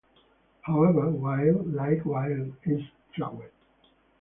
However, "Wilde", like Wilde, is flawed.